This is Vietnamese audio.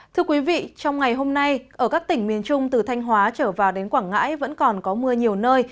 thưa quý vị trong ngày hôm nay ở các tỉnh miền trung từ thanh hóa trở vào đến quảng ngãi vẫn còn có mưa nhiều nơi